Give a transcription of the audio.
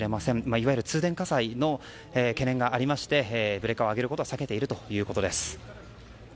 いわゆる通電火災の懸念がありましてブレーカーを上げることを避けているということです。